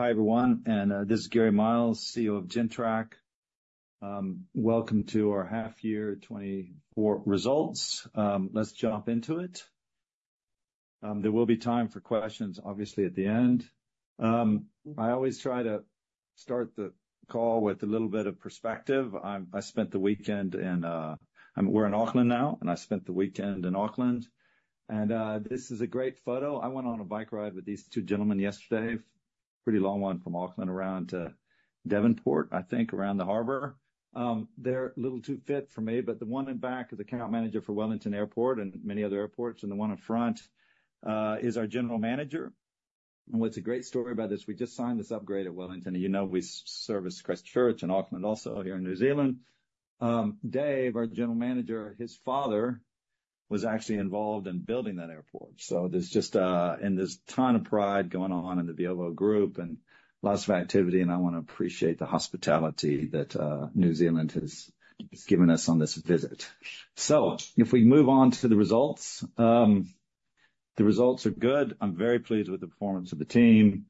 Hi, everyone, and, this is Gary Miles, CEO of Gentrack. Welcome to our half year 2024 results. Let's jump into it. There will be time for questions, obviously, at the end. I always try to start the call with a little bit of perspective. I spent the weekend in. We're in Auckland now, and I spent the weekend in Auckland, and, this is a great photo. I went on a bike ride with these two gentlemen yesterday. Pretty long one from Auckland around, Devonport, I think, around the harbor. They're a little too fit for me, but the one in back is account manager for Wellington Airport and many other airports, and the one in front is our general manager. What's a great story about this, we just signed this upgrade at Wellington, and you know, we service Christchurch and Auckland, also here in New Zealand. Dave, our General Manager, his father was actually involved in building that airport. So there's just and there's a ton of pride going on in the Veovo group and lots of activity, and I want to appreciate the hospitality that New Zealand has given us on this visit. If we move on to the results, the results are good. I'm very pleased with the performance of the team.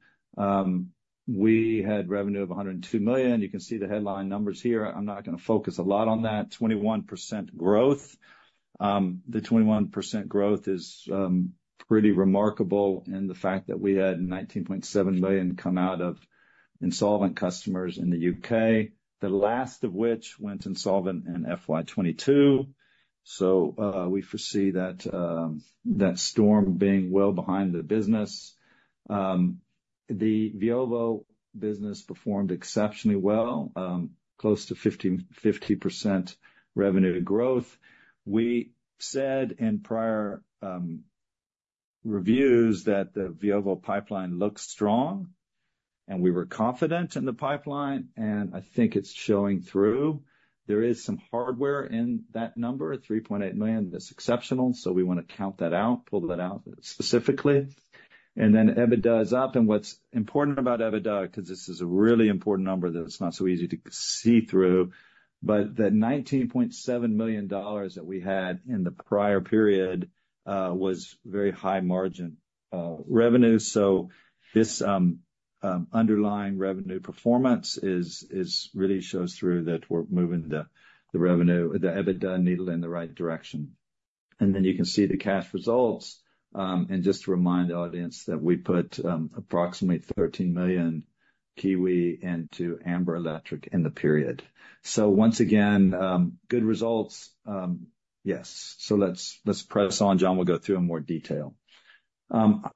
We had revenue of 102 million. You can see the headline numbers here. I'm not going to focus a lot on that. 21% growth. The 21% growth is pretty remarkable in the fact that we had 19.7 million come out of insolvent customers in the U.K., the last of which went insolvent in FY 2022. So, we foresee that that storm being well behind the business. The Veovo business performed exceptionally well, close to 50, 50% revenue growth. We said in prior reviews that the Veovo pipeline looks strong, and we were confident in the pipeline, and I think it's showing through. There is some hardware in that number, 3.8 million. That's exceptional, so we want to count that out, pull that out specifically. Then EBITDA is up, and what's important about EBITDA, because this is a really important number that it's not so easy to see through, but the 19.7 million dollars that we had in the prior period was very high margin revenue. So this underlying revenue performance is really shows through that we're moving the revenue, the EBITDA needle in the right direction. And then you can see the cash results. And just to remind the audience that we put approximately 13 million into Amber Electric in the period. So once again, good results. Yes. So let's press on. John will go through in more detail.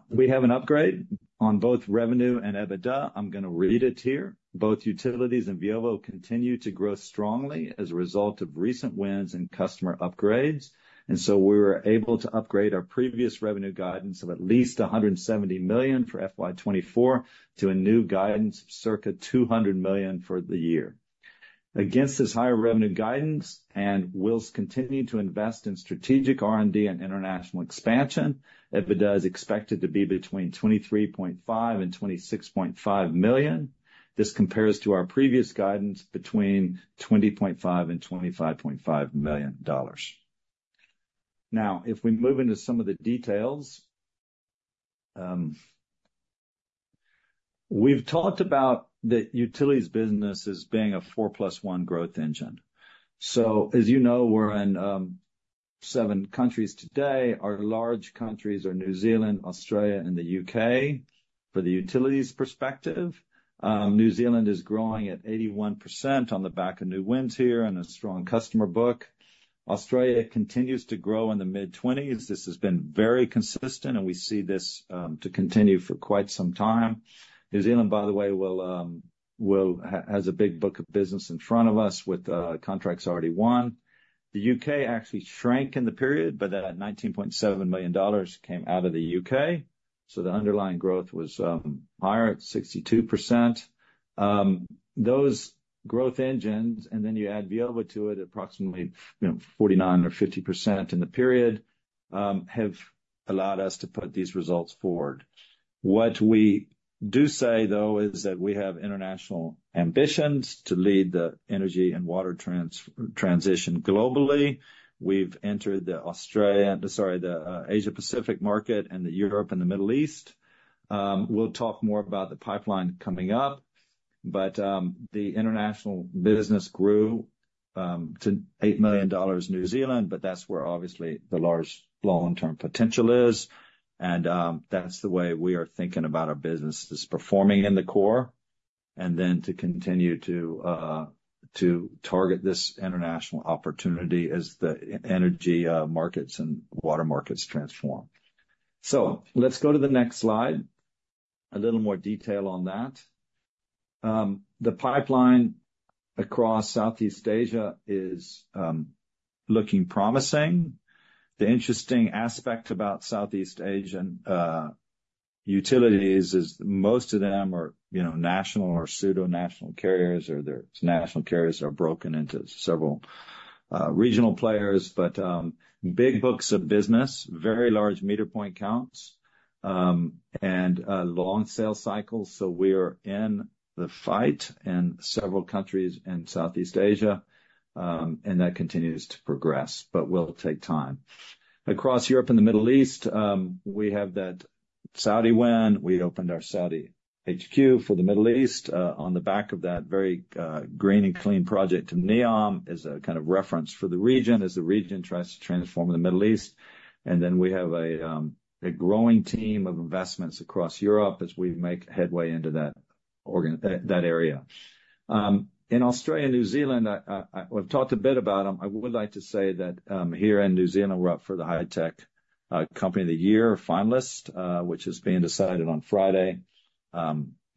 We have an upgrade on both revenue and EBITDA. I'm going to read it here. Both utilities and Veovo continue to grow strongly as a result of recent wins and customer upgrades, and so we were able to upgrade our previous revenue guidance of at least 170 million for FY 2024 to a new guidance, circa 200 million for the year. Against this higher revenue guidance, and we'll continue to invest in strategic R&D and international expansion. EBITDA is expected to be between 23.5 million and 26.5 million. This compares to our previous guidance between 20.5 million and 25.5 million dollars. Now, if we move into some of the details, we've talked about the utilities business as being a 4+1 growth engine. So as you know, we're in seven countries today. Our large countries are New Zealand, Australia, and the U.K. For the utilities perspective, New Zealand is growing at 81% on the back of new wins here and a strong customer book. Australia continues to grow in the mid-20s. This has been very consistent, and we see this to continue for quite some time. New Zealand, by the way, will have a big book of business in front of us with contracts already won. The U.K. actually shrank in the period, but that $19.7 million came out of the U.K., so the underlying growth was higher at 62%. Those growth engines, and then you add Veovo to it, approximately, you know, 49% or 50% in the period, have allowed us to put these results forward. What we do say, though, is that we have international ambitions to lead the energy and water transition globally. We've entered the Australia, sorry, the Asia Pacific market and the Europe and the Middle East. We'll talk more about the pipeline coming up, but the international business grew to 8 million New Zealand dollars, but that's where, obviously, the large long-term potential is. And that's the way we are thinking about our business, is performing in the core, and then to continue to target this international opportunity as the energy markets and water markets transform. So let's go to the next slide. A little more detail on that. The pipeline across Southeast Asia is looking promising. The interesting aspect about Southeast Asian utilities is most of them are, you know, national or pseudo national carriers, or their national carriers are broken into several regional players, but big books of business, very large meter point counts, and long sales cycles. So we're in the fight in several countries in Southeast Asia, and that continues to progress but will take time. Across Europe and the Middle East, we have that Saudi win, we opened our Saudi HQ for the Middle East on the back of that very green and clean project. NEOM is a kind of reference for the region, as the region tries to transform the Middle East. And then we have a growing team of investments across Europe as we make headway into that area. In Australia and New Zealand, I've talked a bit about them. I would like to say that, here in New Zealand, we're up for the Hi-Tech Company of the Year finalist, which is being decided on Friday.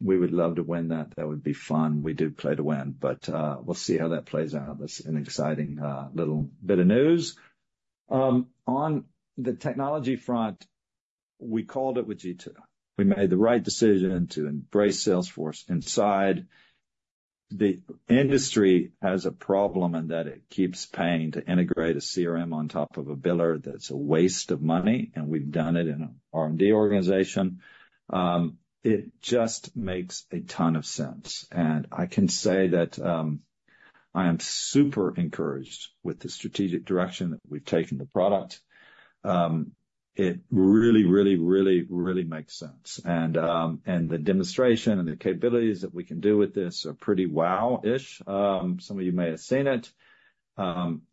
We would love to win that. That would be fun. We do play to win, but, we'll see how that plays out. That's an exciting, little bit of news. On the technology front, we called it with g2.0. We made the right decision to embrace Salesforce inside. The industry has a problem, and that it keeps paying to integrate a CRM on top of a biller that's a waste of money, and we've done it in a R&D organization. It just makes a ton of sense. I can say that I am super encouraged with the strategic direction that we've taken the product. It really, really, really, really makes sense. The demonstration and the capabilities that we can do with this are pretty wow-ish. Some of you may have seen it.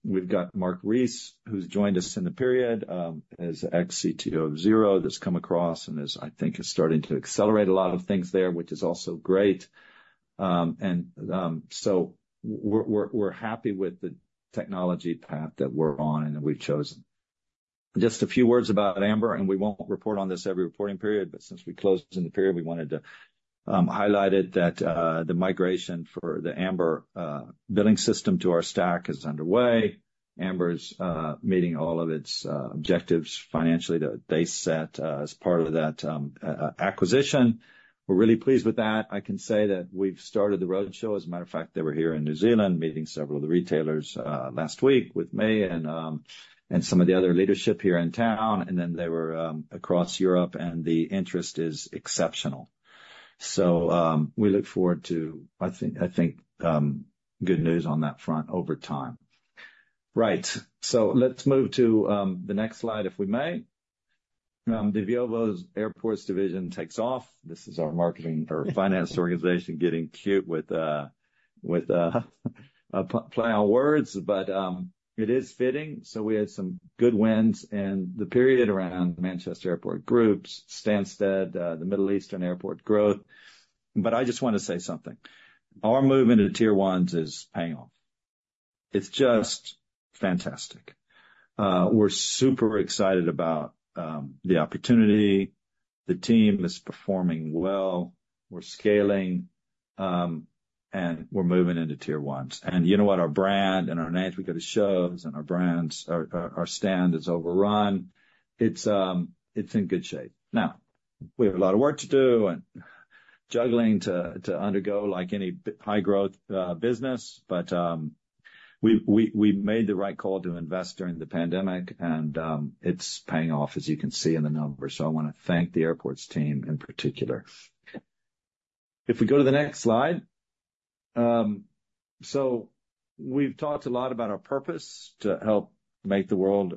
We've got Mark Rees, who's joined us in the period, as ex-CTO of Xero, that's come across and is, I think, starting to accelerate a lot of things there, which is also great. So we're happy with the technology path that we're on and that we've chosen. Just a few words about Amber, and we won't report on this every reporting period, but since we closed in the period, we wanted to highlight it that the migration for the Amber billing system to our stack is underway. Amber's meeting all of its objectives financially that they set as part of that acquisition. We're really pleased with that. I can say that we've started the roadshow. As a matter of fact, they were here in New Zealand, meeting several of the retailers last week with me and some of the other leadership here in town, and then they were across Europe, and the interest is exceptional. So we look forward to, I think, I think, good news on that front over time. Right. So let's move to the next slide, if we may. Veovo's airports division takes off. This is our marketing or finance organization getting cute with a play on words, but it is fitting, so we had some good wins in the period around Manchester Airports Group, Stansted, the Middle Eastern airport growth. But I just want to say something. Our move into Tier 1s is paying off. It's just fantastic. We're super excited about the opportunity. The team is performing well. We're scaling, and we're moving into Tier 1s. And you know what? Our brand and our name, we go to shows, and our brand's stand is overrun. It's in good shape. Now, we have a lot of work to do and juggling to undergo, like any high-growth business, but we made the right call to invest during the pandemic, and it's paying off as you can see in the numbers. So I want to thank the airports team in particular. If we go to the next slide. So we've talked a lot about our purpose, to help make the world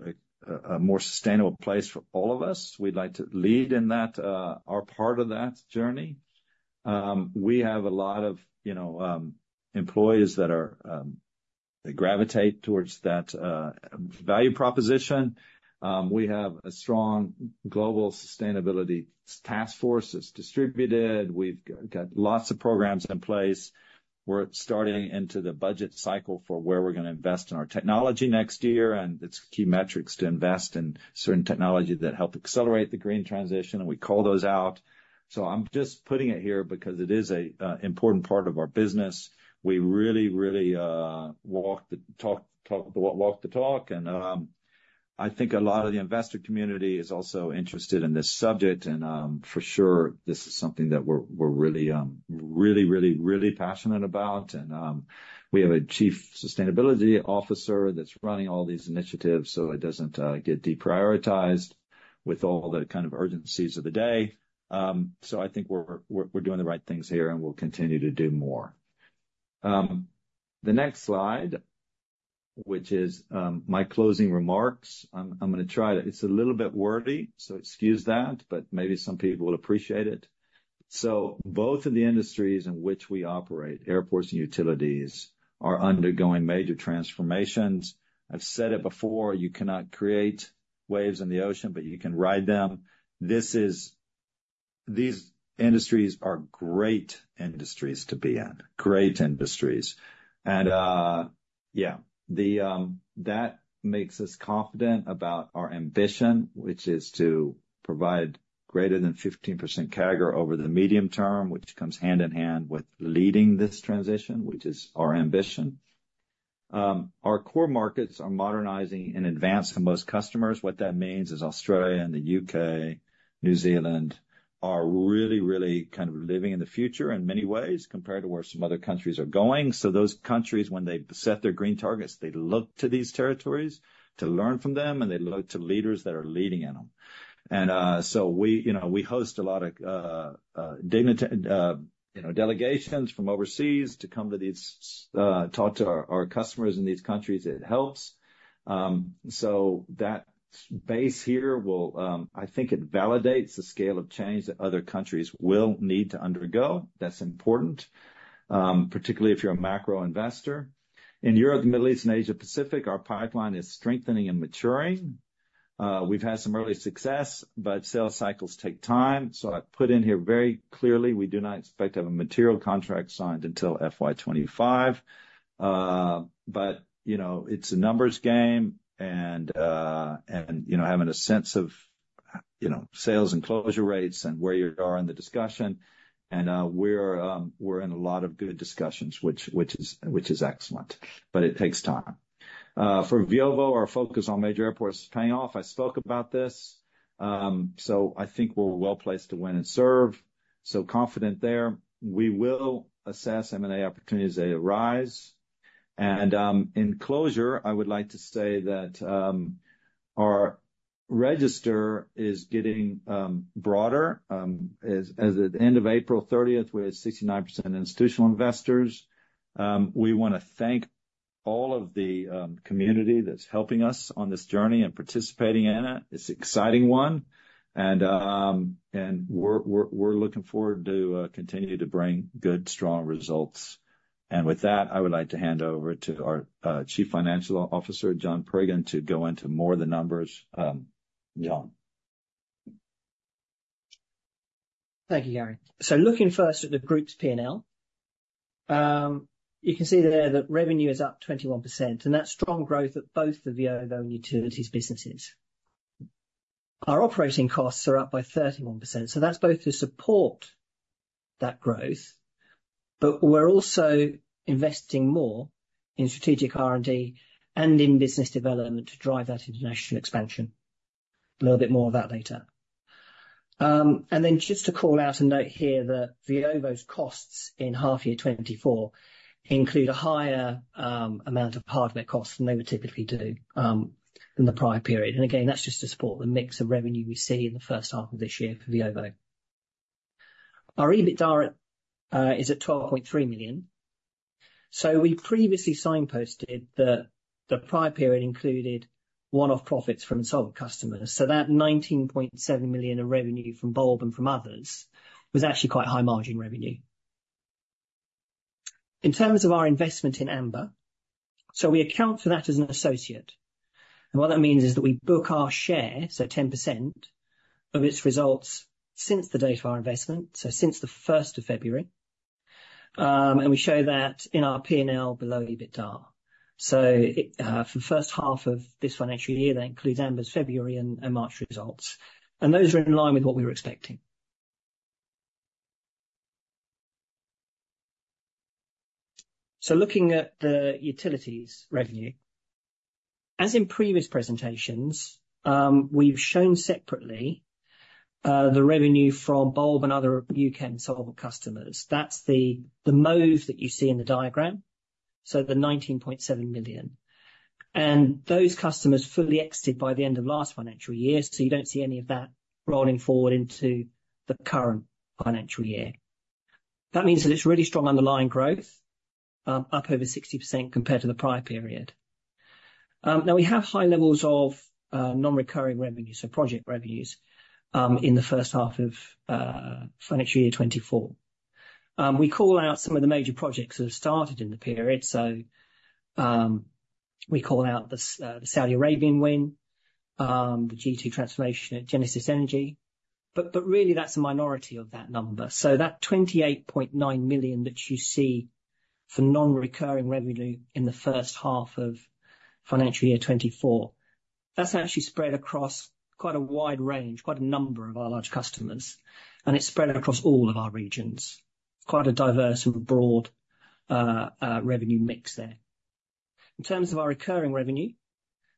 a more sustainable place for all of us. We'd like to lead in that, our part of that journey. We have a lot of, you know, employees that gravitate towards that value proposition. We have a strong global sustainability task force that's distributed. We've got lots of programs in place. We're starting into the budget cycle for where we're going to invest in our technology next year, and it's key metrics to invest in certain technology that help accelerate the green transition, and we call those out. So I'm just putting it here because it is an important part of our business. We really, really walk the talk, and I think a lot of the investor community is also interested in this subject, and for sure, this is something that we're really really really passionate about. We have a Chief Sustainability Officer that's running all these initiatives, so it doesn't get deprioritized with all the kind of urgencies of the day. So I think we're doing the right things here, and we'll continue to do more. The next slide, which is my closing remarks, I'm gonna try to. It's a little bit wordy, so excuse that, but maybe some people will appreciate it. So both of the industries in which we operate, airports and utilities, are undergoing major transformations. I've said it before, you cannot create waves in the ocean, but you can ride them. These industries are great industries to be in, great industries. That makes us confident about our ambition, which is to provide greater than 15% CAGR over the medium term, which comes hand in hand with leading this transition, which is our ambition. Our core markets are modernizing and advanced to most customers. What that means is Australia and the U.K., New Zealand, are really, really kind of living in the future in many ways compared to where some other countries are going. So those countries, when they set their green targets, they look to these territories to learn from them, and they look to leaders that are leading in them. And so we, you know, we host a lot of, you know, delegations from overseas to come to these, talk to our, our customers in these countries. It helps. So that base here will, I think it validates the scale of change that other countries will need to undergo. That's important, particularly if you're a macro investor. In Europe, the Middle East, and Asia Pacific, our pipeline is strengthening and maturing. We've had some early success, but sales cycles take time, so I've put in here very clearly, we do not expect to have a material contract signed until FY 2025. But, you know, it's a numbers game and, you know, having a sense of, you know, sales and closure rates and where you are in the discussion. We're in a lot of good discussions, which is excellent, but it takes time. For Veovo, our focus on major airports is paying off. I spoke about this. So I think we're well-placed to win and serve, so confident there. We will assess M&A opportunities as they arise. In closure, I would like to say that our register is getting broader. As at the end of April 30, we had 69% institutional investors. We wanna thank all of the community that's helping us on this journey and participating in it. It's an exciting one, and we're looking forward to continuing to bring good, strong results. And with that, I would like to hand over to our Chief Financial Officer, John Priggen, to go into more of the numbers. John? Thank you, Gary. So looking first at the group's P&L, you can see there that revenue is up 21%, and that's strong growth at both the Veovo and Utilities businesses. Our operating costs are up by 31%, so that's both to support that growth, but we're also investing more in strategic R&D and in business development to drive that international expansion. A little bit more of that later. And then just to call out a note here that Veovo's costs in half year 2024 include a higher amount of partner costs than they would typically do in the prior period. And again, that's just to support the mix of revenue we see in the first half of this year for Veovo. Our EBITDA is at 12.3 million. So we previously signposted that the prior period included one-off profits from solar customers. So that 19.7 million in revenue from Bulb and from others was actually quite high-margin revenue. In terms of our investment in Amber, so we account for that as an associate, and what that means is that we book our share, so 10%, of its results since the date of our investment, so since the first of February. And we show that in our P&L below EBITDA. So it, for the first half of this financial year, that includes Amber's February and March results, and those are in line with what we were expecting. So looking at the utilities revenue, as in previous presentations, we've shown separately, the revenue from Bulb and other U.K. and solar customers. That's the move that you see in the diagram, so the 19.7 million. Those customers fully exited by the end of last financial year, so you don't see any of that rolling forward into the current financial year. That means that it's really strong underlying growth, up over 60% compared to the prior period. Now we have high levels of non-recurring revenue, so project revenues, in the first half of financial year 2024. We call out some of the major projects that have started in the period. So, we call out the Saudi Arabian win, the g2.0 transformation at Genesis Energy, but really that's a minority of that number. So that 28.9 million that you see for non-recurring revenue in the first half of financial year 2024, that's actually spread across quite a wide range, quite a number of our large customers, and it's spread across all of our regions. Quite a diverse and broad revenue mix there. In terms of our recurring revenue,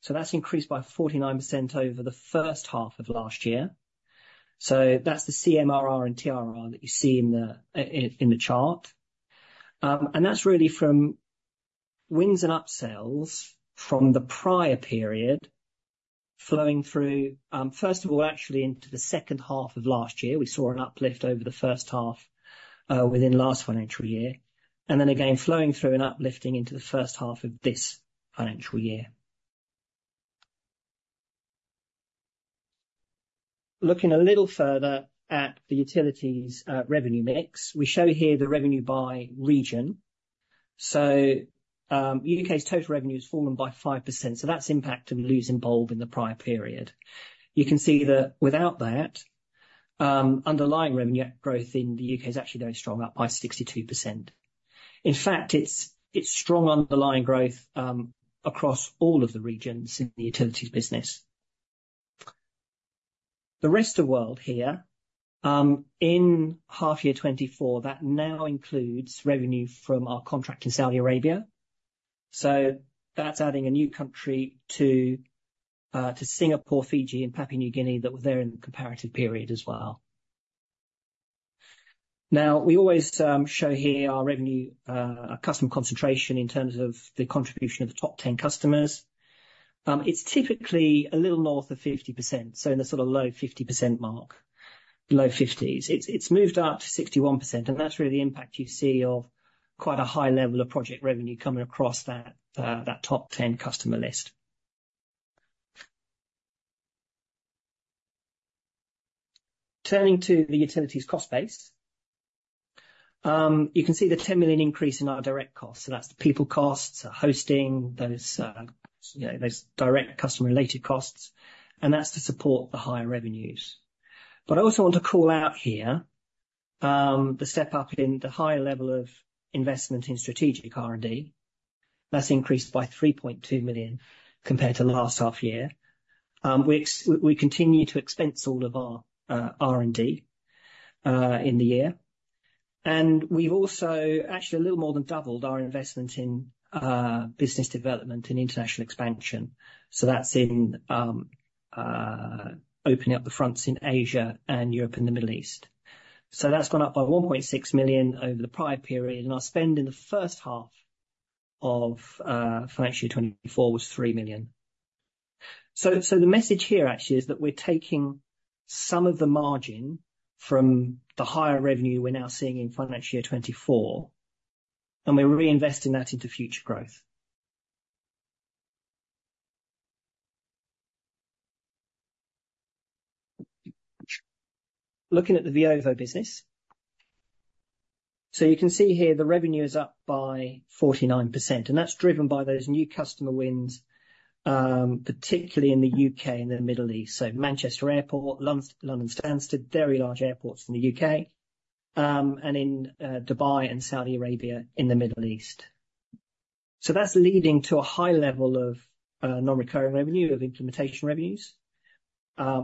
so that's increased by 49% over the first half of last year. So that's the CMRR and TRR that you see in the chart. And that's really from wins and upsells from the prior period flowing through, first of all, actually into the second half of last year. We saw an uplift over the first half within last financial year, and then again flowing through and uplifting into the first half of this financial year. Looking a little further at the utilities, revenue mix, we show here the revenue by region. So, U.K.'s total revenue has fallen by 5%, so that's impact of losing Bulb in the prior period. You can see that without that, underlying revenue growth in the U.K. is actually very strong, up by 62%. In fact, it's, it's strong underlying growth, across all of the regions in the utilities business. The rest of world here, in half year 2024, that now includes revenue from our contract in Saudi Arabia, so that's adding a new country to, to Singapore, Fiji and Papua New Guinea, that were there in the comparative period as well. Now, we always, show here our revenue, customer concentration in terms of the contribution of the top 10 customers. It's typically a little north of 50%, so in the sort of low 50% mark, low 50s. It's moved up to 61%, and that's really the impact you see of quite a high level of project revenue coming across that, that top 10 customer list. Turning to the utilities cost base, you can see the 10 million increase in our direct costs. So that's the people costs, hosting those, you know, those direct customer related costs, and that's to support the higher revenues. But I also want to call out here, the step up in the higher level of investment in strategic R&D. That's increased by 3.2 million compared to last half year. We continue to expense all of our R&D in the year. And we've also actually a little more than doubled our investment in, business development and international expansion. So that's in, opening up the fronts in Asia and Europe and the Middle East. So that's gone up by 1.6 million over the prior period, and our spend in the first half of, financial year 2024 was 3 million. So the message here actually is that we're taking some of the margin from the higher revenue we're now seeing in financial year 2024, and we're reinvesting that into future growth. Looking at the Veovo business. So you can see here the revenue is up by 49%, and that's driven by those new customer wins, particularly in the U.K. and the Middle East. So Manchester Airport, London Stansted, very large airports in the U.K., and in Dubai and Saudi Arabia in the Middle East. So that's leading to a high level of non-recurring revenue, of implementation revenues,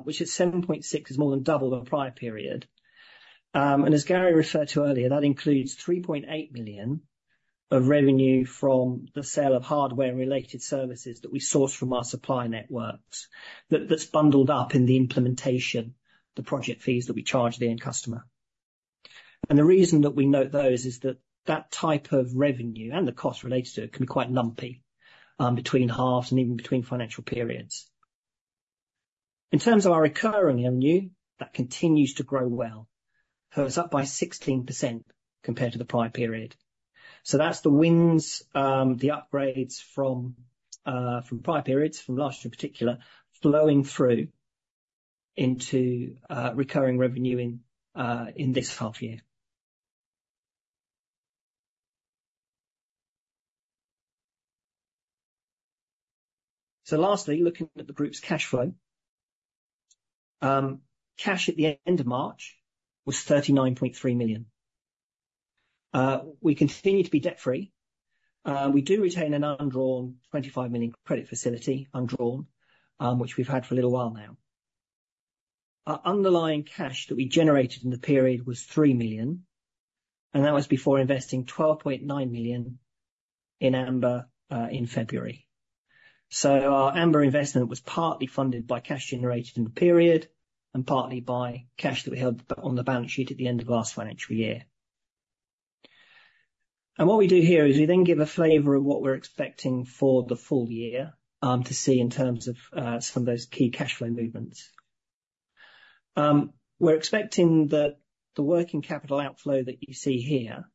which at 7.6 million is more than double the prior period. And as Gary referred to earlier, that includes 3.8 million of revenue from the sale of hardware and related services that we source from our supply networks, that's bundled up in the implementation, the project fees that we charge the end customer. And the reason that we note those is that that type of revenue and the cost related to it can be quite lumpy between halves and even between financial periods. In terms of our recurring revenue, that continues to grow well. So it's up by 16% compared to the prior period. So that's the wins, the upgrades from, from prior periods, from last year in particular, flowing through into, recurring revenue in, in this half year. So lastly, looking at the group's cash flow. Cash at the end of March was 39.3 million. We continue to be debt free. We do retain an undrawn 25 million credit facility, undrawn, which we've had for a little while now. Our underlying cash that we generated in the period was 3 million, and that was before investing 12.9 million in Amber, in February. So our Amber investment was partly funded by cash generated in the period and partly by cash that we held on the balance sheet at the end of last financial year. What we do here is we then give a flavor of what we're expecting for the full year, to see in terms of some of those key cash flow movements. We're expecting that the working capital outflow that you see here,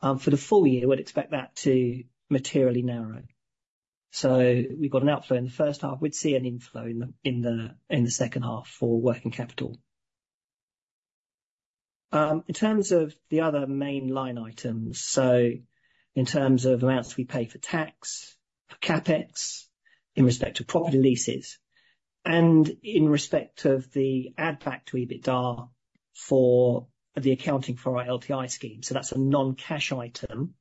for the full year, we'd expect that to materially narrow. We've got an outflow in the first half. We'd see an inflow in the second half for working capital. In terms of the other main line items, so in terms of amounts we pay for tax, for CapEx, in respect to property leases and in respect of the add back to EBITDA for the accounting for our LTI scheme. That's a non-cash item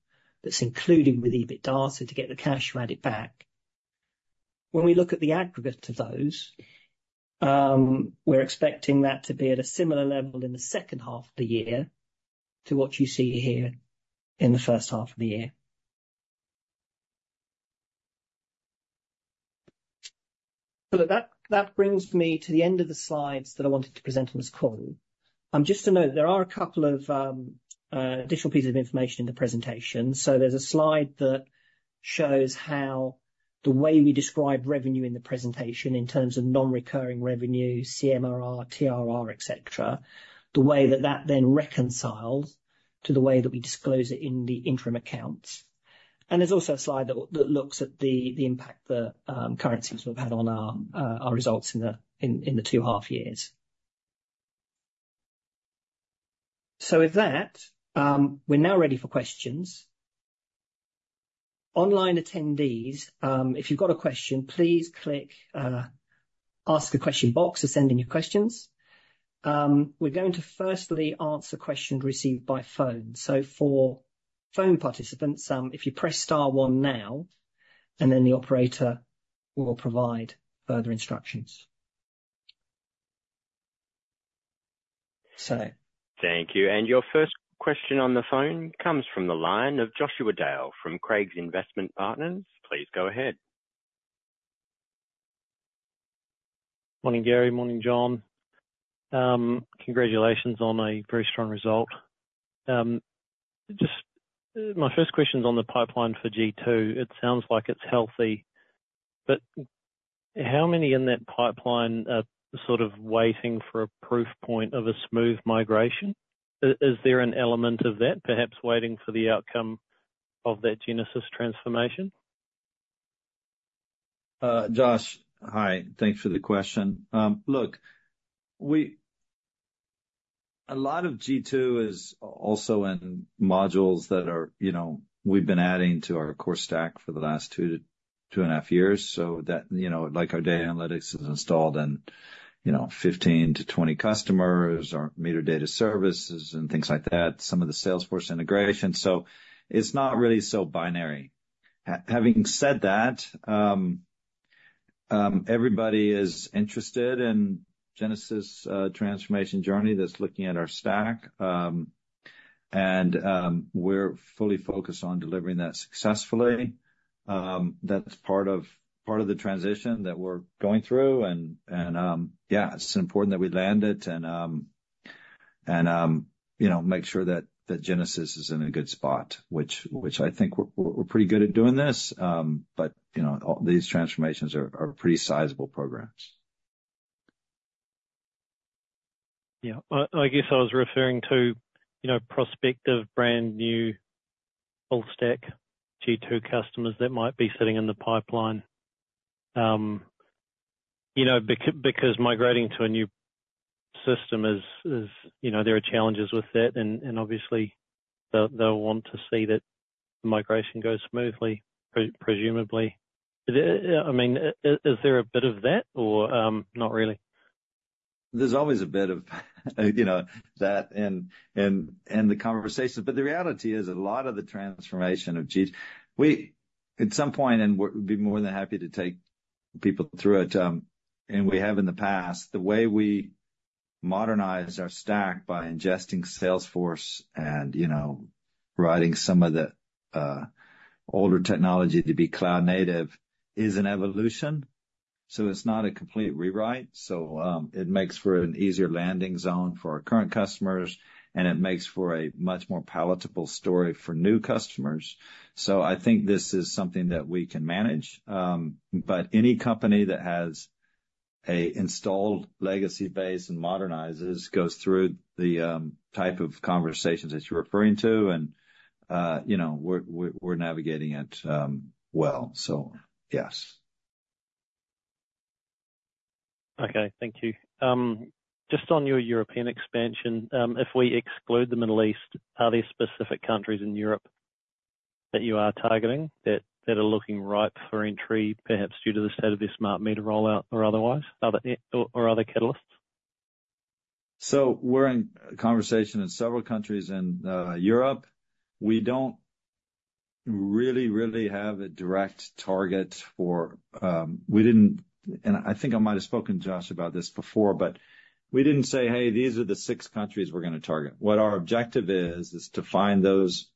that's included with EBITDA, so to get the cash, you add it back. When we look at the aggregate of those, we're expecting that to be at a similar level in the second half of the year to what you see here in the first half of the year. So that, that brings me to the end of the slides that I wanted to present on this call. Just to note, there are a couple of additional pieces of information in the presentation. So there's a slide that shows how the way we describe revenue in the presentation, in terms of non-recurring revenue, CMRR, TRR, et cetera, the way that that then reconciles to the way that we disclose it in the interim accounts. And there's also a slide that, that looks at the impact the currencies have had on our our results in the two half years. So with that, we're now ready for questions. Online attendees, if you've got a question, please click, ask a question box to send in your questions. We're going to firstly answer questions received by phone. So for phone participants, if you press star one now, and then the operator will provide further instructions. So- Thank you. And your first question on the phone comes from the line of Joshua Dale from Craigs Investment Partners. Please go ahead. Morning, Gary. Morning, John. Congratulations on a very strong result. Just, my first question is on the pipeline for G2. It sounds like it's healthy, but how many in that pipeline are sort of waiting for a proof point of a smooth migration? Is there an element of that, peraps waiting for the outcome of that Genesis transformation?... Josh, hi. Thanks for the question. Look, a lot of G2 is also in modules that are, you know, we've been adding to our core stack for the last two to 2.5 years, so that, you know, like, our data analytics is installed in, you know, 15-20 customers, our meter data services and things like that, some of the Salesforce integration, so it's not really so binary. Having said that, everybody is interested in Genesis transformation journey that's looking at our stack. And we're fully focused on delivering that successfully. That's part of the transition that we're going through, and yeah, it's important that we land it, and you know, make sure that Genesis is in a good spot, which I think we're pretty good at doing this. But you know, all these transformations are pretty sizable programs. Yeah. I guess I was referring to, you know, prospective brand new full stack G2 customers that might be sitting in the pipeline. You know, because migrating to a new system is, you know, there are challenges with it, and obviously they'll want to see that the migration goes smoothly, presumably. I mean, is there a bit of that or not really? There's always a bit of, you know, that in the conversation. But the reality is, a lot of the transformation. We, at some point, and we'd be more than happy to take people through it, and we have in the past, the way we modernize our stack by ingesting Salesforce and, you know, writing some of the older technology to be cloud native, is an evolution, so it's not a complete rewrite. So, it makes for an easier landing zone for our current customers, and it makes for a much more palatable story for new customers. So I think this is something that we can manage. But any company that has an installed legacy base and modernizes, goes through the type of conversations that you're referring to, and, you know, we're navigating it well, so yes. Okay. Thank you. Just on your European expansion, if we exclude the Middle East, are there specific countries in Europe that you are targeting, that are looking ripe for entry, perhaps due to the state of their smart meter rollout or otherwise, or other catalysts? So we're in conversation in several countries in Europe. We don't really, really have a direct target for... We didn't, and I think I might have spoken, Josh, about this before, but we didn't say, "Hey, these are the six countries we're gonna target." What our objective is, is to find those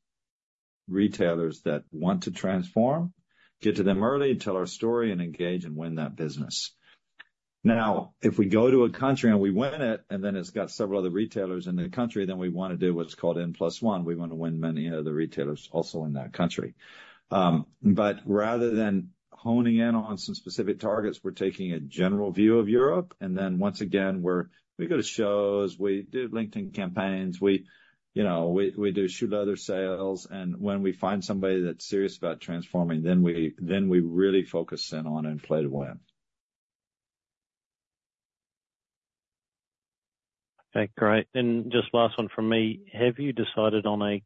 retailers that want to transform, get to them early, tell our story, and engage and win that business. Now, if we go to a country and we win it, and then it's got several other retailers in the country, then we want to do what's called N plus one. We want to win many other retailers also in that country. But rather than honing in on some specific targets, we're taking a general view of Europe, and then once again, we're we go to shows, we do LinkedIn campaigns, we, you know, we, we do shoe leather sales, and when we find somebody that's serious about transforming, then we, then we really focus in on and play to win. Okay, great. And just last one from me: Have you decided on a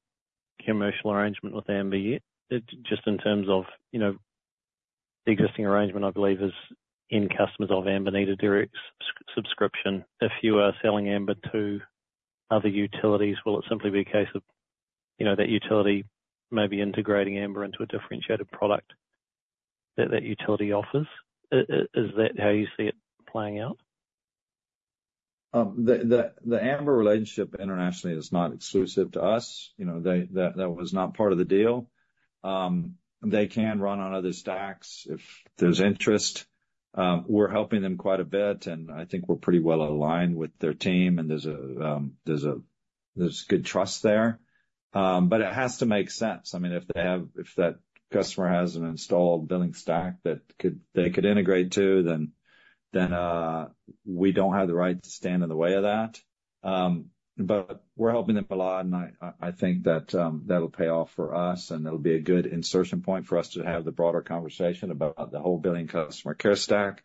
commercial arrangement with Amber yet? Just in terms of, you know, the existing arrangement, I believe, is end customers of Amber need a direct subscription. If you are selling Amber to other utilities, will it simply be a case of, you know, that utility may be integrating Amber into a differentiated product that that utility offers? Is that how you see it playing out? The Amber relationship internationally is not exclusive to us. You know, that was not part of the deal. They can run on other stacks if there's interest. We're helping them quite a bit, and I think we're pretty well aligned with their team, and there's good trust there. But it has to make sense. I mean, if that customer has an installed billing stack that they could integrate to, then we don't have the right to stand in the way of that. But we're helping them a lot, and I think that that'll pay off for us, and it'll be a good insertion point for us to have the broader conversation about the whole billing customer care stack.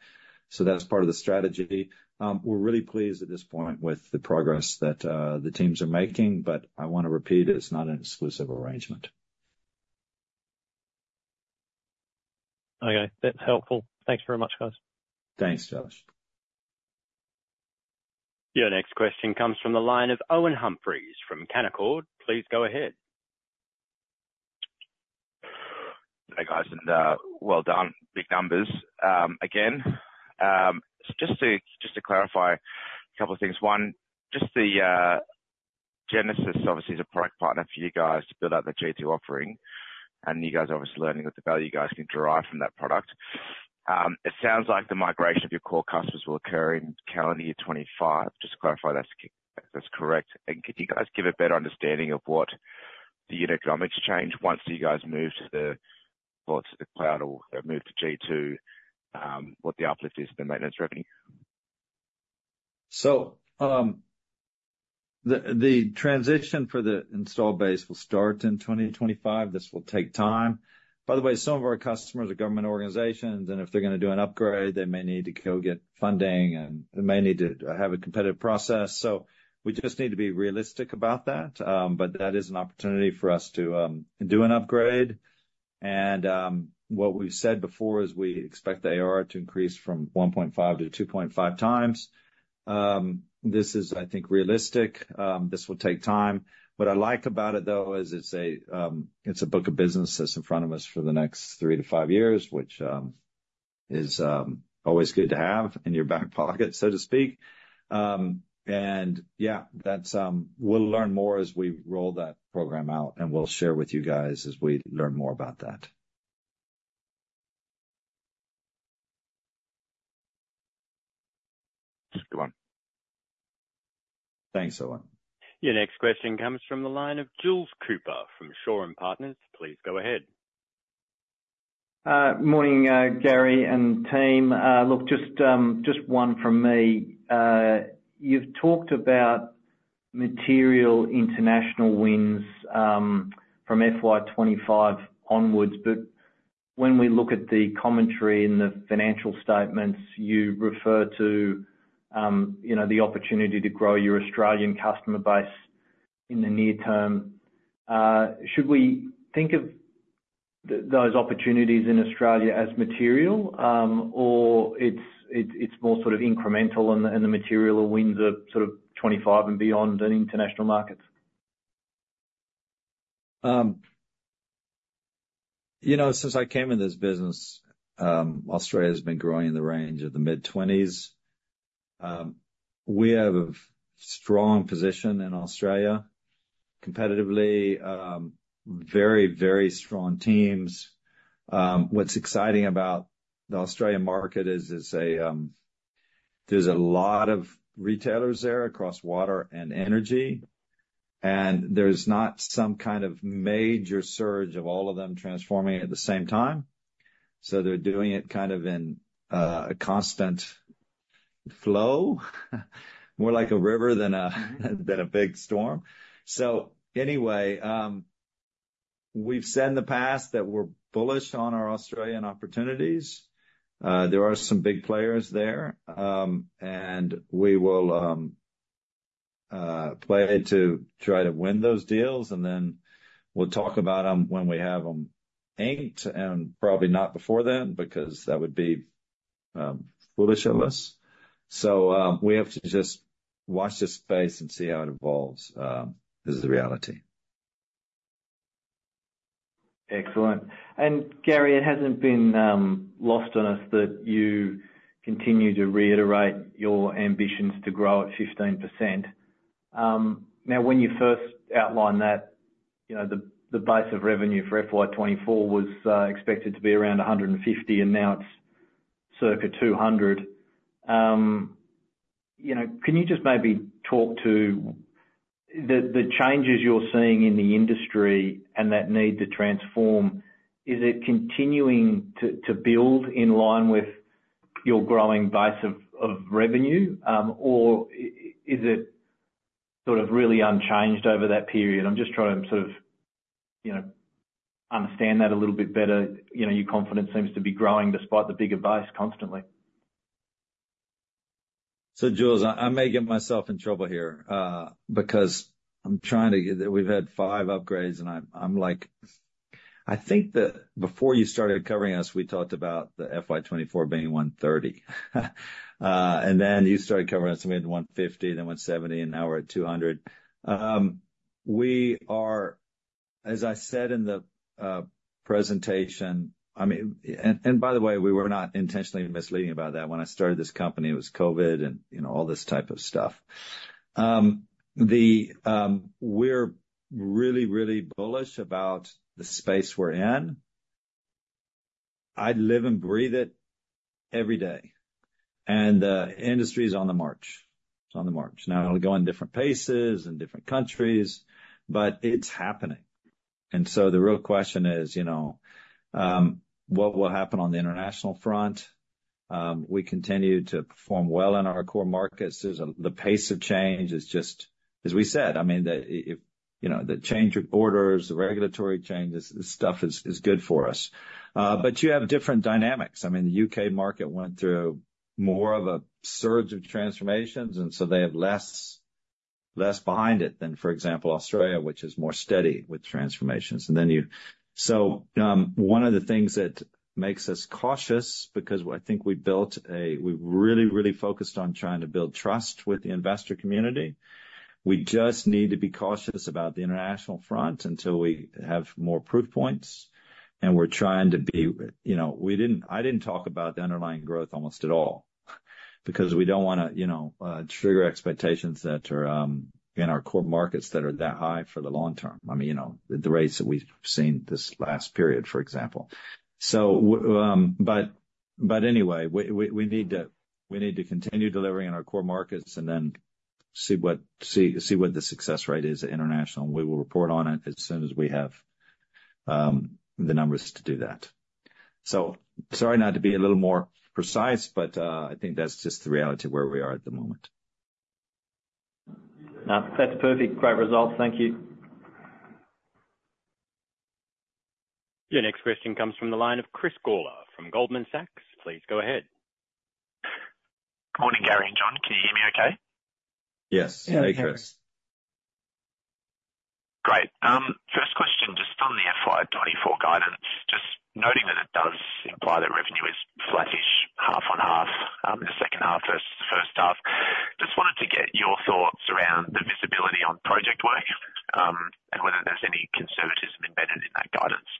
So that's part of the strategy. We're really pleased at this point with the progress that the teams are making, but I want to repeat, it's not an exclusive arrangement. Okay. That's helpful. Thanks very much, guys. Thanks, Josh. Your next question comes from the line of Owen Humphries from Canaccord. Please go ahead. Hey, guys, and, well done. Big numbers. Again, just to, just to clarify a couple of things. One, just the, Genesis obviously is a product partner for you guys to build out the G2 offering, and you guys are obviously learning what the value you guys can derive from that product. It sounds like the migration of your core customers will occur in calendar year 2025. Just to clarify if that's correct, and could you guys give a better understanding of what the unit economics change once you guys move to the, well, to the cloud or move to G2, what the uplift is for the maintenance revenue?... So, the transition for the install base will start in 2025. This will take time. By the way, some of our customers are government organizations, and if they're gonna do an upgrade, they may need to go get funding, and they may need to have a competitive process. So we just need to be realistic about that. But that is an opportunity for us to do an upgrade. And, what we've said before is we expect the AR to increase from 1.5x-2.5x. This is, I think, realistic. This will take time. What I like about it, though, is it's a book of business that's in front of us for the next three to five years, which is always good to have in your back pocket, so to speak. Yeah, that's. We'll learn more as we roll that program out, and we'll share with you guys as we learn more about that. Good one. Thanks, Owen. Your next question comes from the line of Jules Cooper from Shaw and Partners. Please go ahead. Morning, Gary and team. Look, just one from me. You've talked about material international wins from FY 25 onwards, but when we look at the commentary in the financial statements, you refer to, you know, the opportunity to grow your Australian customer base in the near term. Should we think of those opportunities in Australia as material, or it's more sort of incremental, and the material wins are sort of 25 and beyond in international markets? You know, since I came in this business, Australia's been growing in the range of the mid-20s. We have a strong position in Australia, competitively, very, very strong teams. What's exciting about the Australian market is, there's a lot of retailers there across water and energy, and there's not some kind of major surge of all of them transforming at the same time. So they're doing it kind of in a constant flow, more like a river than a big storm. So anyway, we've said in the past that we're bullish on our Australian opportunities. There are some big players there, and we will play to try to win those deals, and then we'll talk about them when we have them inked, and probably not before then, because that would be foolish of us. So, we have to just watch this space and see how it evolves, is the reality. Excellent. Gary, it hasn't been lost on us that you continue to reiterate your ambitions to grow at 15%. Now, when you first outlined that, you know, the base of revenue for FY 2024 was expected to be around 150, and now it's circa 200. You know, can you just maybe talk to the changes you're seeing in the industry and that need to transform? Is it continuing to build in line with your growing base of revenue? Or is it sort of really unchanged over that period? I'm just trying to sort of, you know, understand that a little bit better. You know, your confidence seems to be growing despite the bigger base constantly. So, Jules, I may get myself in trouble here, because I'm trying to get... We've had five upgrades, and I'm like, I think that before you started covering us, we talked about the FY 2024 being 130. And then you started covering us when we had 150, then 170, and now we're at 200. We are, as I said in the presentation, I mean, and by the way, we were not intentionally misleading about that. When I started this company, it was COVID and, you know, all this type of stuff. We're really, really bullish about the space we're in. I live and breathe it every day, and the industry is on the march. It's on the march. Now, it'll go on different paces in different countries, but it's happening. And so the real question is, you know, what will happen on the international front? We continue to perform well in our core markets. There's the pace of change is just as we said, I mean, you know, the change of orders, the regulatory changes, this stuff is good for us. But you have different dynamics. I mean, the U.K. market went through more of a surge of transformations, and so they have less behind it than, for example, Australia, which is more steady with transformations. And then so, one of the things that makes us cautious, because I think we built a... We really, really focused on trying to build trust with the investor community. We just need to be cautious about the international front until we have more proof points, and we're trying to be, you know, we didn't. I didn't talk about the underlying growth almost at all, because we don't want to, you know, trigger expectations that are in our core markets that are that high for the long term. I mean, you know, the rates that we've seen this last period, for example. So, but, but anyway, we need to continue delivering in our core markets, and then see what the success rate is at international, and we will report on it as soon as we have the numbers to do that. So sorry not to be a little more precise, but I think that's just the reality of where we are at the moment. No, that's perfect. Great result. Thank you. Your next question comes from the line of Chris Gawler from Goldman Sachs. Please go ahead. Good morning, Gary and John. Can you hear me okay? Yes. Hey, Chris. Yeah, we can. Great. First question, just on the FY 2024 guidance, just noting that it does imply that revenue is flattish half on half, the second half versus the first half. Just wanted to get your thoughts around the visibility on project work, and whether there's any conservatism embedded in that guidance.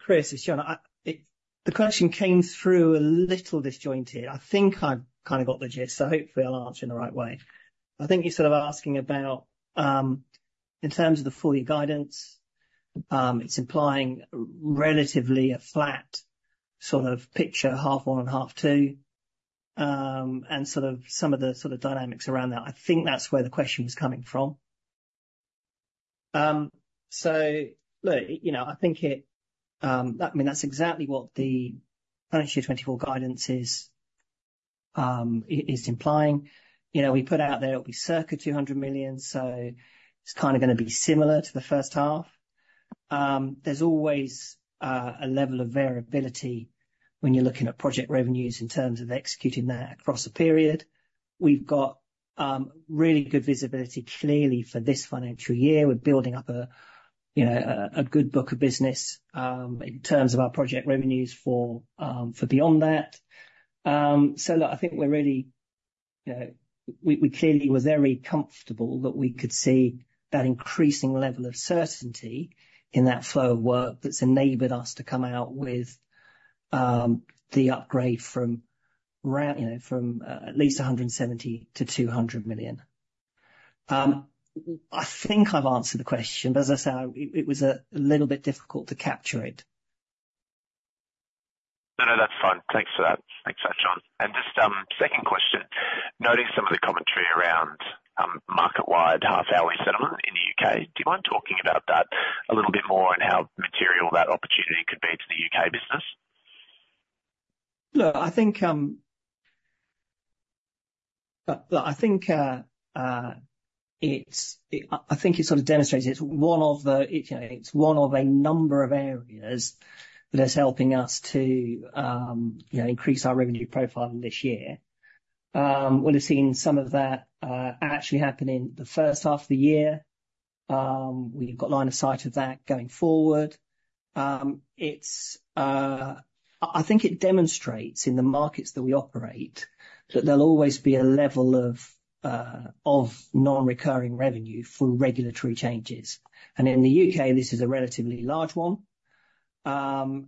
Chris, it's John. The question came through a little disjointed. I think I've kind of got the gist, so hopefully I'll answer in the right way. I think you're sort of asking about, in terms of the full year guidance, it's implying relatively a flat sort of picture, half one and half two, and sort of some of the sort of dynamics around that. I think that's where the question was coming from. So look, you know, I think it, I mean, that's exactly what the financial year 2024 guidance is, is implying. You know, we put out there it'll be circa 200 million, so it's kind of gonna be similar to the first half. There's always a level of variability when you're looking at project revenues in terms of executing that across a period. We've got really good visibility clearly for this financial year. We're building up, you know, a good book of business in terms of our project revenues for beyond that. So look, I think we're really, you know, we clearly were very comfortable that we could see that increasing level of certainty in that flow of work that's enabled us to come out with the upgrade from around, you know, from at least 170 million to 200 million. I think I've answered the question, but as I say, it was a little bit difficult to capture it. No, no, that's fine. Thanks for that. Thanks for that, John. And just, second question, noting some of the commentary around, Market-wide Half-Hourly Settlement in the U.K., do you mind talking about that a little bit more and how material that opportunity could be to the U.K. business? Look, I think it sort of demonstrates it's one of the, you know, it's one of a number of areas that is helping us to, you know, increase our revenue profile this year. We'll have seen some of that, actually happen in the first half of the year. We've got line of sight of that going forward. I think it demonstrates in the markets that we operate, that there'll always be a level of non-recurring revenue through regulatory changes. And in the U.K., this is a relatively large one. And,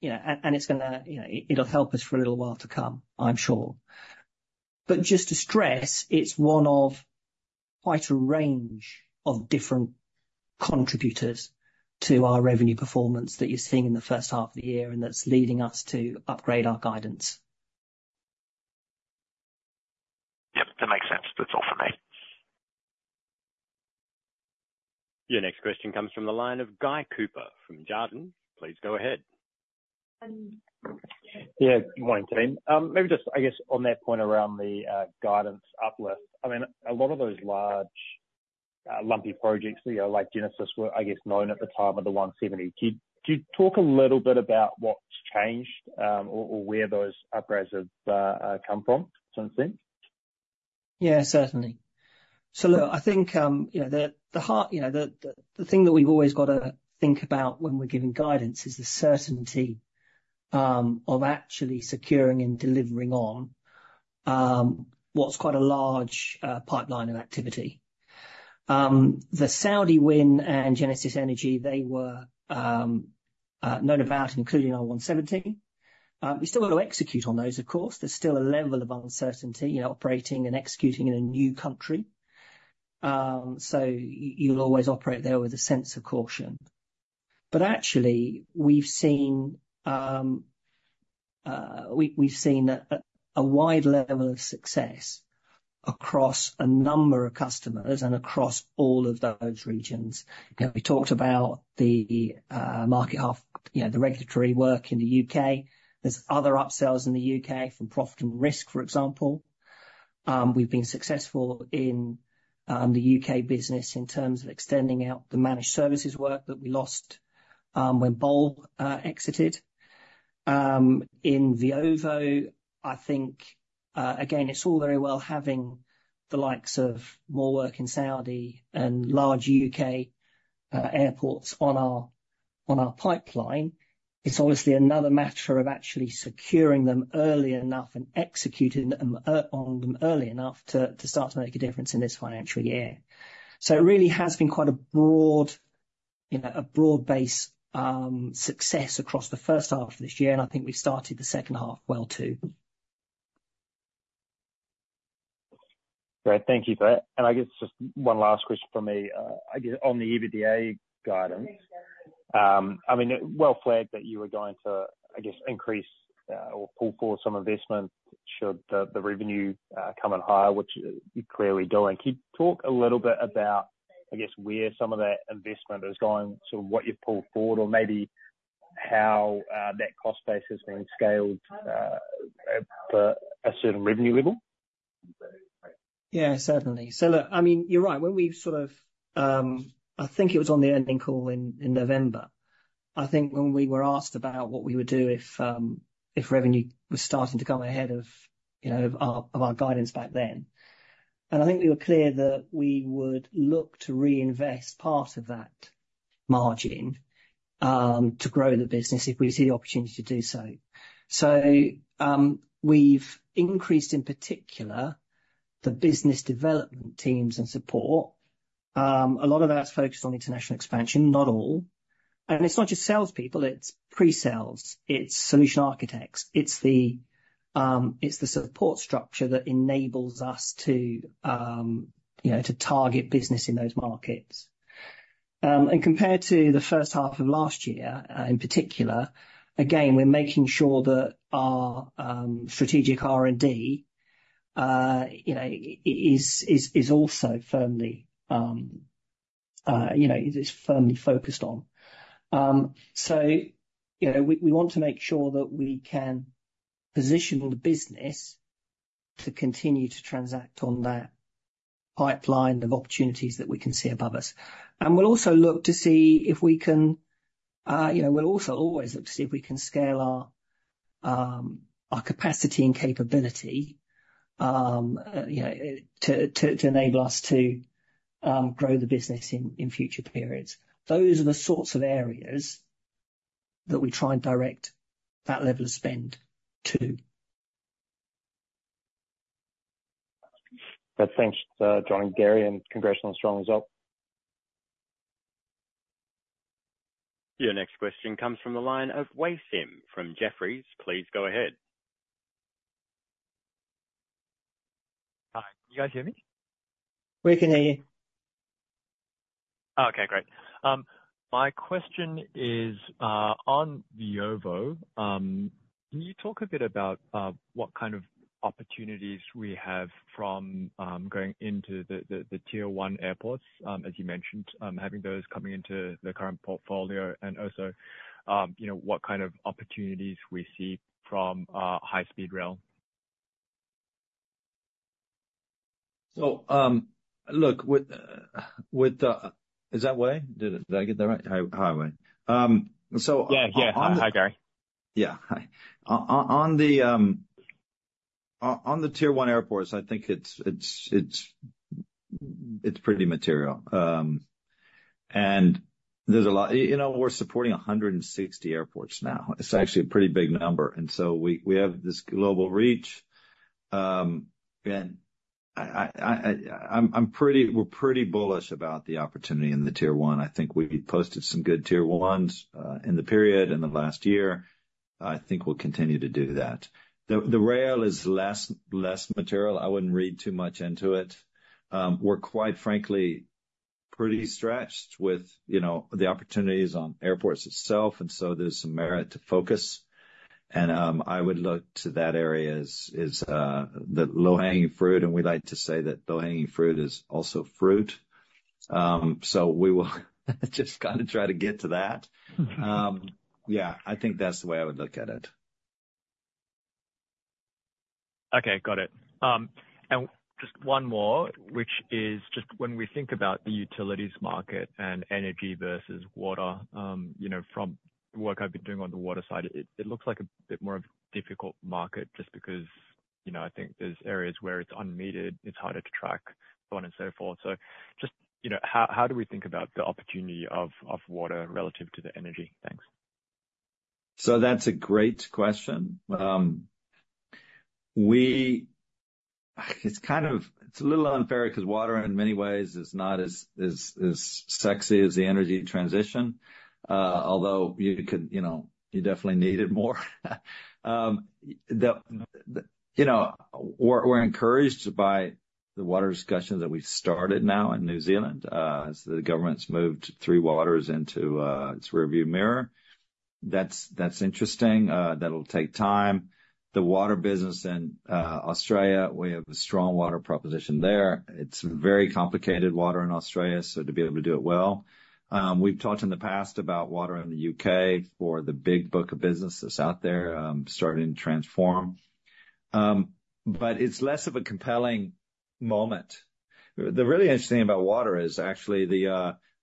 you know, it's gonna, you know, it'll help us for a little while to come, I'm sure. But just to stress, it's one of quite a range of different contributors to our revenue performance that you're seeing in the first half of the year, and that's leading us to upgrade our guidance. Yep, that makes sense. That's all from me. Your next question comes from the line of Guy Hooper from Jarden. Please go ahead. Yeah, good morning, team. Maybe just, I guess, on that point around the guidance uplift. I mean, a lot of those large, lumpy projects, you know, like Genesis, were, I guess, known at the time of the 170. Could you talk a little bit about what's changed, or where those upgrades have come from since then? Yeah, certainly. So look, I think, you know, the heart, you know, the thing that we've always got to think about when we're giving guidance is the certainty of actually securing and delivering on what's quite a large pipeline of activity. The Saudi win and Genesis Energy, they were known about, including our 170. We've still got to execute on those, of course. There's still a level of uncertainty in operating and executing in a new country, so you'll always operate there with a sense of caution. But actually, we've seen, we've seen a wide level of success across a number of customers and across all of those regions. You know, we talked about the market half, you know, the regulatory work in the U.K. There's other upsells in the U.K., from profit and risk, for example. We've been successful in the U.K. business in terms of extending out the managed services work that we lost, when Bulb exited. In Veovo, I think, again, it's all very well having the likes of more work in Saudi and large U.K. airports on our pipeline. It's obviously another matter of actually securing them early enough and executing them on them early enough to start to make a difference in this financial year. So it really has been quite a broad, you know, a broad-based success across the first half of this year, and I think we started the second half well, too.... Great. Thank you for that. And I guess just one last question for me. I guess on the EBITDA guidance, I mean, well flagged that you were going to, I guess, increase or pull forward some investment, should the revenue come in higher, which you're clearly doing. Can you talk a little bit about, I guess, where some of that investment is going, so what you've pulled forward, or maybe how that cost base has been scaled at a certain revenue level? Yeah, certainly. So look, I mean, you're right. When we sort of, I think it was on the earnings call in November, I think when we were asked about what we would do if revenue was starting to come ahead of, you know, our of our guidance back then, and I think we were clear that we would look to reinvest part of that margin to grow the business if we see the opportunity to do so. So, we've increased, in particular, the business development teams and support. A lot of that's focused on international expansion, not all. And it's not just salespeople, it's pre-sales, it's solution architects, it's the support structure that enables us to, you know, to target business in those markets. And compared to the first half of last year, in particular, again, we're making sure that our strategic R&D, you know, is also firmly focused on. So, you know, we want to make sure that we can position the business to continue to transact on that pipeline of opportunities that we can see above us. And we'll also look to see if we can, you know, we'll also always look to see if we can scale our capacity and capability, you know, to enable us to grow the business in future periods. Those are the sorts of areas that we try and direct that level of spend to. Great. Thanks, John and Gary, and congratulations on the strong result. Your next question comes from the line of Wei Sim, from Jefferies. Please go ahead. Hi, can you guys hear me? We can hear you. Okay, great. My question is on the Veovo. Can you talk a bit about what kind of opportunities we have from going into the Tier 1 airports, as you mentioned, having those coming into the current portfolio, and also, you know, what kind of opportunities we see from high speed rail? So, look, with the— Is that Wei? Did I get that right? Hi, Wei. So— Yeah. Yeah. Hi, Gary. Yeah. Hi. On the Tier 1 airports, I think it's pretty material. And there's a lot—You know, we're supporting 160 airports now. It's actually a pretty big number, and so we have this global reach. And we're pretty bullish about the opportunity in the Tier 1. I think we've posted some good Tier 1s in the period in the last year. I think we'll continue to do that. The rail is less material. I wouldn't read too much into it. We're quite frankly pretty stretched with, you know, the opportunities on airports itself, and so there's some merit to focus. I would look to that area as the low-hanging fruit, and we like to say that low-hanging fruit is also fruit. So we will just kind of try to get to that. Mm-hmm. Yeah, I think that's the way I would look at it. Okay, got it. And just one more, which is just when we think about the utilities market and energy versus water, you know, from the work I've been doing on the water side, it, it looks like a bit more of a difficult market just because, you know, I think there's areas where it's unmetered, it's harder to track, so on and so forth. So just, you know, how, how do we think about the opportunity of, of water relative to the energy? Thanks. So that's a great question. It's kind of, it's a little unfair because water, in many ways, is not as, as, as sexy as the energy transition, although you could, you know, you definitely need it more. You know, we're encouraged by the water discussions that we've started now in New Zealand, as the government's moved Three Waters into its rearview mirror. That's interesting. That'll take time. The water business in Australia, we have a strong water proposition there. It's very complicated water in Australia, so to be able to do it well. We've talked in the past about water in the U.K. for the big book of business that's out there, starting to transform. But it's less of a compelling moment. The really interesting about water is actually the,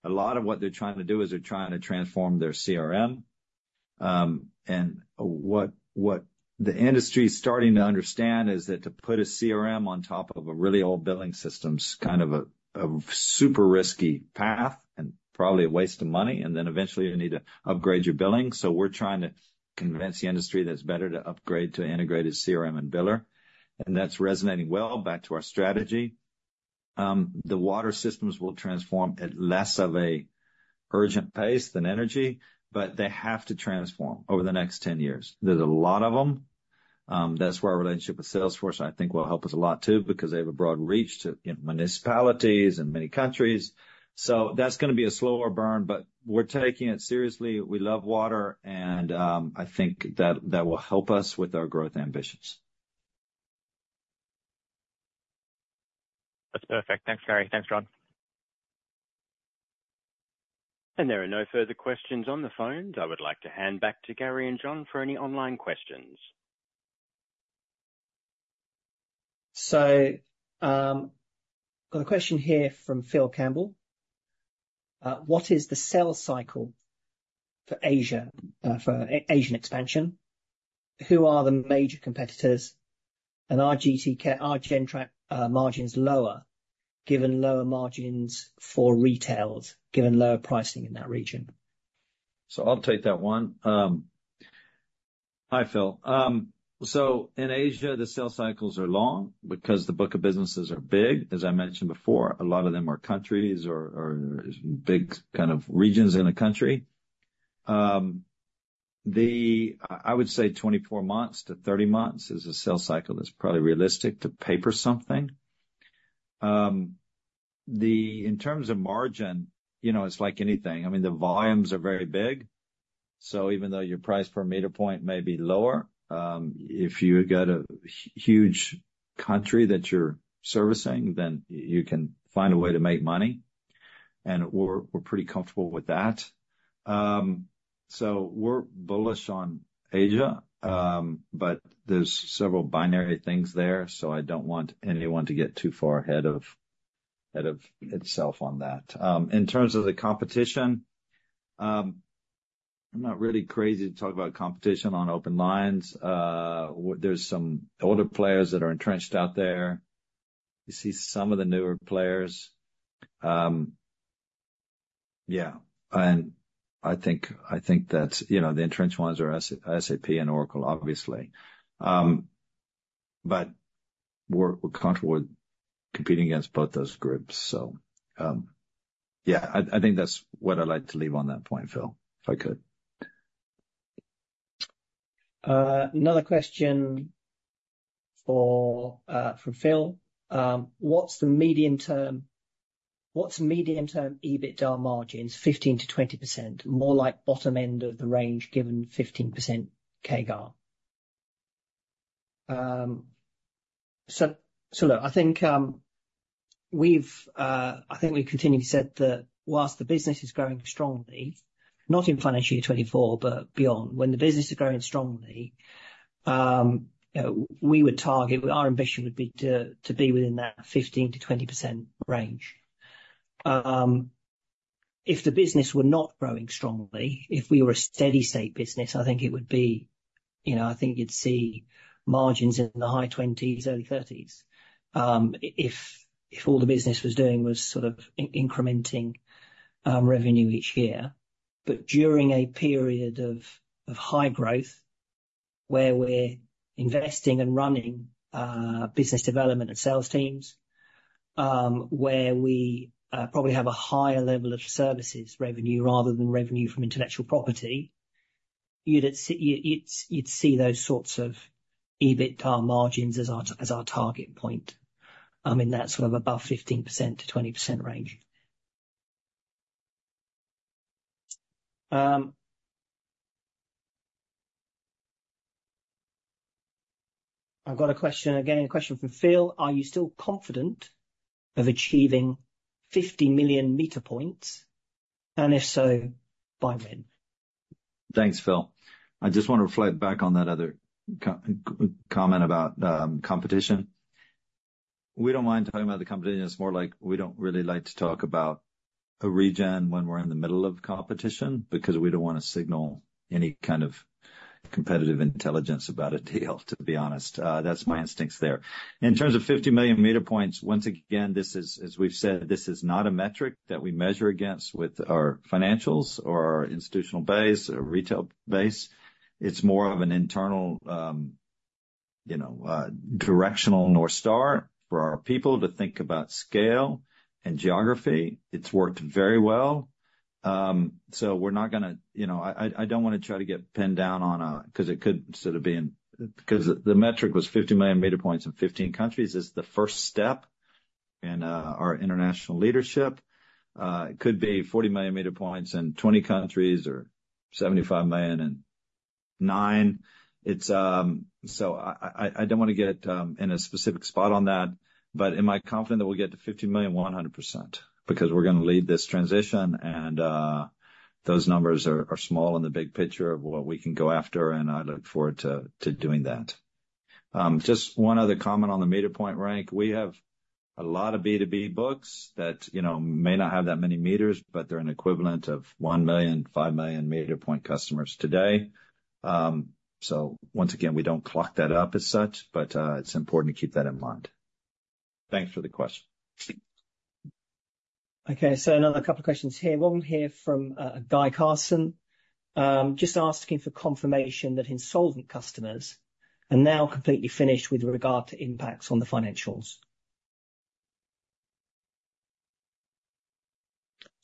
a lot of what they're trying to do is they're trying to transform their CRM. And what the industry is starting to understand is that to put a CRM on top of a really old billing system is kind of a, a super risky path and probably a waste of money, and then eventually you need to upgrade your billing. So we're trying to convince the industry that it's better to upgrade to integrated CRM and biller, and that's resonating well back to our strategy. The water systems will transform at less of a urgent pace than energy, but they have to transform over the next 10 years. There's a lot of them. That's where our relationship with Salesforce, I think, will help us a lot, too, because they have a broad reach to, you know, municipalities and many countries. So that's gonna be a slower burn, but we're taking it seriously. We love water, and I think that will help us with our growth ambitions. That's perfect. Thanks, Gary. Thanks, John. And there are no further questions on the phone. I would like to hand back to Gary and John for any online questions. Got a question here from Phil Campbell. What is the sales cycle for Asia, for Asian expansion? Who are the major competitors, and are Gentrack margins lower, given lower margins for retailers, given lower pricing in that region? So I'll take that one. Hi, Phil. So in Asia, the sales cycles are long because the book of businesses are big. As I mentioned before, a lot of them are countries or, or big kind of regions in a country. I would say 24-30 months is a sales cycle that's probably realistic to paper something. In terms of margin, you know, it's like anything. I mean, the volumes are very big, so even though your price per meter point may be lower, if you've got a huge country that you're servicing, then you can find a way to make money, and we're pretty comfortable with that. So we're bullish on Asia, but there's several binary things there, so I don't want anyone to get too far ahead of, ahead of itself on that. In terms of the competition, I'm not really crazy to talk about competition on open lines. There's some older players that are entrenched out there. You see some of the newer players. Yeah, and I think that's, you know, the entrenched ones are SAP and Oracle, obviously. But we're comfortable with competing against both those groups. So, yeah, I think that's what I'd like to leave on that point, Phil, if I could. Another question from Phil. What's the medium-term EBITDA margins, 15%-20%? More like bottom end of the range, given 15% CAGR. So look, I think we've continually said that while the business is growing strongly, not in financial year 2024, but beyond, when the business is growing strongly, we would target—our ambition would be to be within that 15%-20% range. If the business were not growing strongly, if we were a steady state business, I think it would be, you know, I think you'd see margins in the high 20s, early 30s, if all the business was doing was sort of incrementing revenue each year. But during a period of high growth, where we're investing and running business development and sales teams, where we probably have a higher level of services revenue rather than revenue from intellectual property, you'd see those sorts of EBITDA margins as our target point in that sort of above 15%-20% range. I've got a question again, a question from Phil: Are you still confident of achieving 50 million meter points, and if so, by when? Thanks, Phil. I just want to reflect back on that other comment about competition. We don't mind talking about the competition. It's more like we don't really like to talk about a region when we're in the middle of competition, because we don't want to signal any kind of competitive intelligence about a deal, to be honest. That's my instincts there. In terms of 50 million meter points, once again, this is, as we've said, this is not a metric that we measure against with our financials or our institutional base or retail base. It's more of an internal, you know, directional north star for our people to think about scale and geography. It's worked very well. So we're not gonna... You know, I don't wanna try to get pinned down on a, 'cause it could sort of be 'cause the metric was 50 million meter points in 15 countries. It's the first step in our international leadership. It could be 40 million meter points in 20 countries, or 75 million in nine. It's so I don't want to get in a specific spot on that, but am I confident that we'll get to 50 million? 100%, because we're gonna lead this transition, and those numbers are small in the big picture of what we can go after, and I look forward to doing that. Just one other comment on the meter point rank. We have a lot of B2B books that, you know, may not have that many meters, but they're an equivalent of 1 million, 5 million meter point customers today. So once again, we don't clock that up as such, but it's important to keep that in mind. Thanks for the question. Okay, so another couple of questions here. One here from Guy Carson. Just asking for confirmation that insolvent customers are now completely finished with regard to impacts on the financials.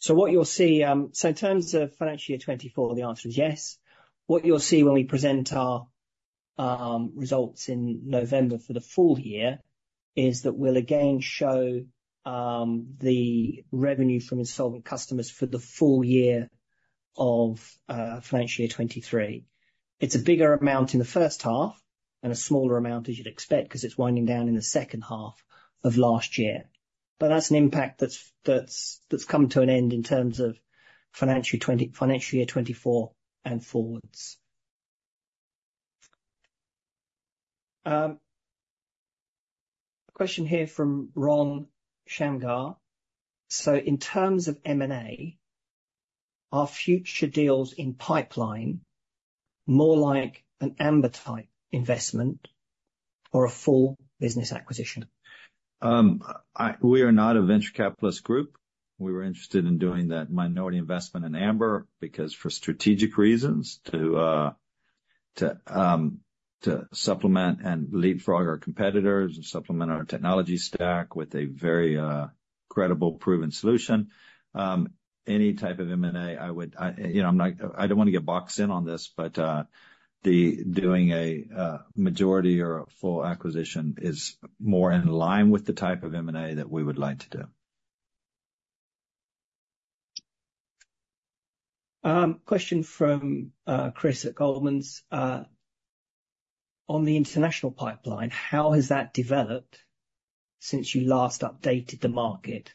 So what you'll see, so in terms of financial year 2024, the answer is yes. What you'll see when we present our results in November for the full year, is that we'll again show the revenue from insolvent customers for the full year of financial year 2023. It's a bigger amount in the first half and a smaller amount, as you'd expect, because it's winding down in the second half of last year. But that's an impact that's come to an end in terms of financial year 2024 and forwards. A question here from Ron Shamgar: "So in terms of M&A, are future deals in pipeline more like an Amber type investment or a full business acquisition? We are not a venture capitalist group. We were interested in doing that minority investment in Amber, because for strategic reasons, to supplement and leapfrog our competitors and supplement our technology stack with a very credible, proven solution. Any type of M&A, I would, I, you know, I'm not—I don't want to get boxed in on this, but the doing a majority or a full acquisition is more in line with the type of M&A that we would like to do. Question from Chris at Goldman Sachs: "On the international pipeline, how has that developed since you last updated the market?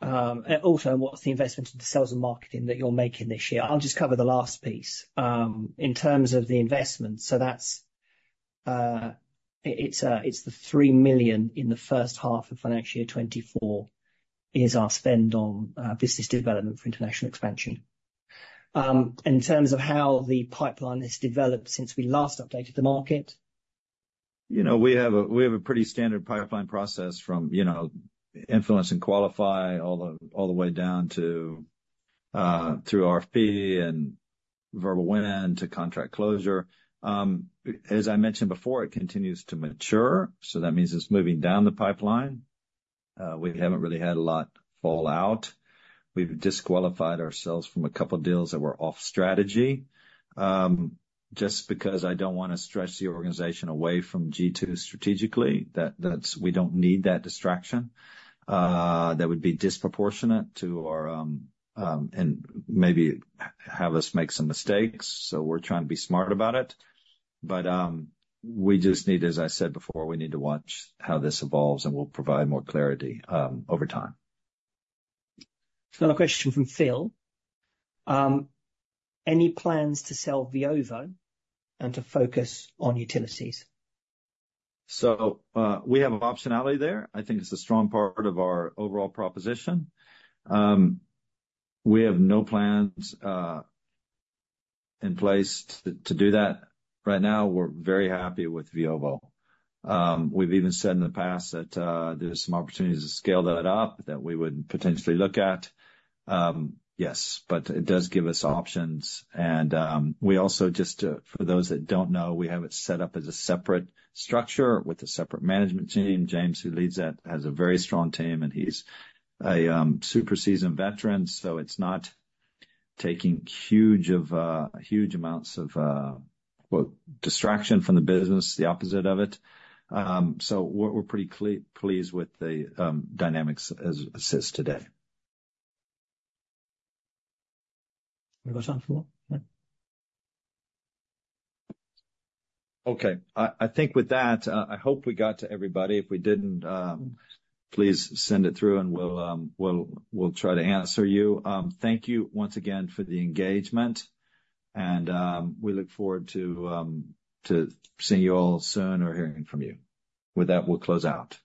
And also, what's the investment in the sales and marketing that you're making this year?" I'll just cover the last piece. In terms of the investment, so that's it, it's the 3 million in the first half of financial year 2024, is our spend on business development for international expansion. In terms of how the pipeline has developed since we last updated the market? You know, we have a pretty standard pipeline process from, you know, influence and qualify all the way down to through RFP and verbal win to contract closure. As I mentioned before, it continues to mature, so that means it's moving down the pipeline. We haven't really had a lot fall out. We've disqualified ourselves from a couple of deals that were off strategy just because I don't want to stretch the organization away from G2 strategically, that, that's—we don't need that distraction. That would be disproportionate to our, and maybe have us make some mistakes. So we're trying to be smart about it, but, we just need, as I said before, we need to watch how this evolves, and we'll provide more clarity over time. Another question from Phil: "Any plans to sell Veovo and to focus on utilities? So, we have optionality there. I think it's a strong part of our overall proposition. We have no plans in place to do that right now. We're very happy with Veovo. We've even said in the past that there's some opportunities to scale that up, that we would potentially look at. Yes, but it does give us options, and we also, just for those that don't know, we have it set up as a separate structure with a separate management team. James, who leads that, has a very strong team, and he's a super seasoned veteran, so it's not taking huge amounts of, well, distraction from the business, the opposite of it. So we're pretty pleased with the dynamics as it sits today. We got some more? Yeah. Okay. I think with that, I hope we got to everybody. If we didn't, please send it through and we'll try to answer you. Thank you once again for the engagement, and we look forward to seeing you all soon or hearing from you. With that, we'll close out.